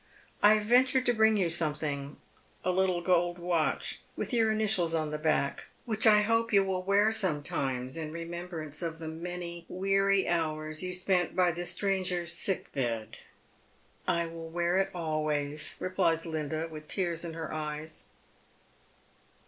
I have ventured to bring you something — a little gold watch, with your initials on the back, which I hope you will wear sometimes in i emembrance of the many weary hours you spent by the stranger's sick bed." " I will wear it always," replies Linda, with tears in her eyen.